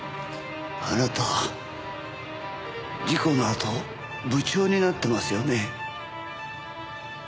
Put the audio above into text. あなた事故のあと部長になってますよね？